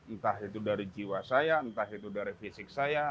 entah itu dari jiwa saya entah itu dari fisik saya